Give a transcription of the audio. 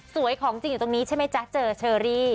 ของจริงอยู่ตรงนี้ใช่ไหมจ๊ะเจอเชอรี่